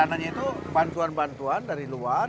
dananya itu bantuan bantuan dari luar